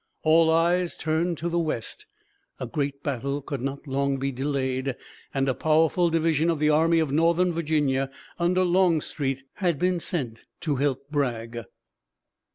All eyes turned to the West. A great battle could not be long delayed, and a powerful division of the Army of Northern Virginia under Longstreet had been sent to help Bragg.